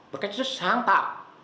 một cách rất sáng tạo